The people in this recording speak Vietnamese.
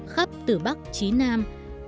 khắp từ bắc chí nam